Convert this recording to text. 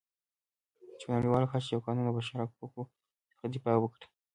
چې په نړیواله کچه یو قانون د بشرحقوقو څخه دفاع وکړي.